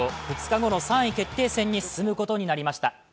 ２日後の３位決定戦に進むことになりました。